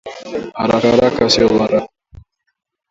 Araka araka sio baraka